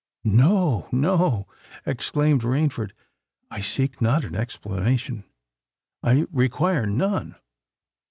"No—no," exclaimed Rainford. "I seek not an explanation—I require none.